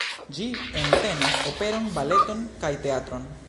Ĝi entenas operon, baleton kaj teatron.